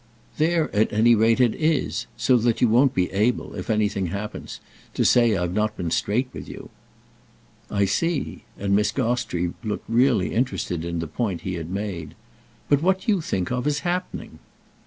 There at any rate it is; so that you won't be able, if anything happens, to say I've not been straight with you." "I see"—and Miss Gostrey looked really interested in the point he had made. "But what do you think of as happening?"